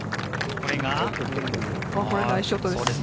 これはナイスショットです。